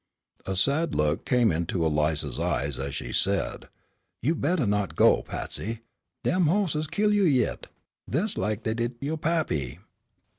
A sad look came into Eliza's eyes as she said: "You'd bettah not go, Patsy; dem hosses'll kill you yit, des lak dey did yo' pappy."